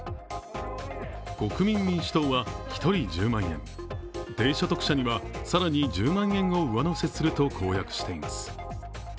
国民民主党は１人１０万円、低所得者には更に１０万円を上乗せすると公約しています。